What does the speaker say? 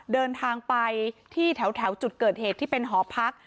เดินทางไปที่แถวจุดเกิดเหตุที่เป็นหอพัก